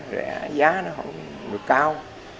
rẻ giá nó không được cao